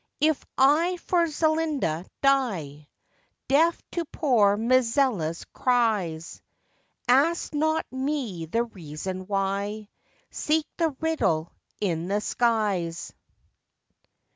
If I for Zelinda die, Deaf to poor Mizella's cries, Ask not me the reason why: Seek the riddle in the skies.